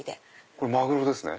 これマグロですね。